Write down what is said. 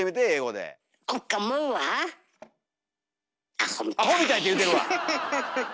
「アホみたい」って言うてるわ！